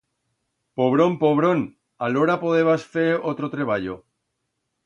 Pobrón, pobrón… Alora, podebas fer otro treballo.